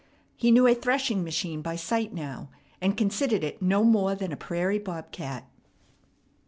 He knew a threshing machine by sight now, and considered it no more than a prairie bob cat.